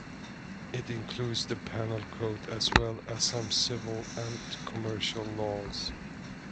It includes the penal code as well as some civil and commercial laws.